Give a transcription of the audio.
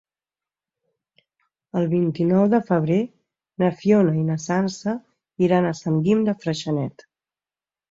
El vint-i-nou de febrer na Fiona i na Sança iran a Sant Guim de Freixenet.